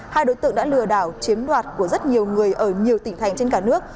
hai đối tượng đã lừa đảo chiếm đoạt của rất nhiều người ở nhiều tỉnh thành trên cả nước